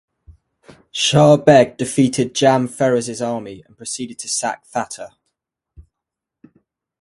Shah Beg defeated Jam Feroz's army and proceeded to sack Thatta.